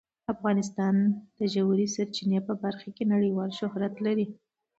افغانستان د ژورې سرچینې په برخه کې نړیوال شهرت لري.